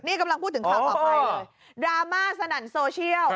นี่กำลังพูดถึงข่าวต่อไปเลยดราม่าสนั่นโซเชียล